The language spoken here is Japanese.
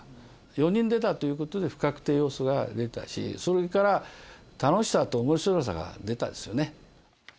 ４人出たということで不確定要素が出たし、それから、楽しさとおもしろさが出たですよね。